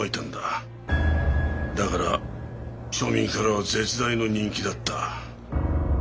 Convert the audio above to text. だから庶民からは絶大の人気だった。